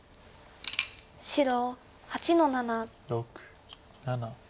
白８の七。